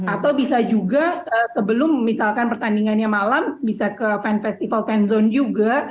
atau bisa juga sebelum misalkan pertandingannya malam bisa ke fan festival fan zone juga